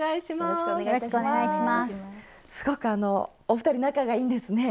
すごくお二人仲がいいんですね。